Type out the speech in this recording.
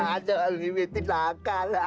aduh mimpi tidak kalah